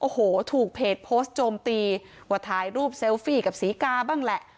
โอ้โหถูกเพจโพสต์โจมตีว่าถ่ายรูปเซลฟี่กับศรีกาบ้างแหละ